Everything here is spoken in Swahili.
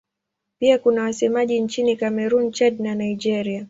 Pia kuna wasemaji nchini Kamerun, Chad na Nigeria.